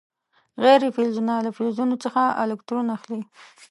غیر فلزونه له فلزونو څخه الکترون اخلي.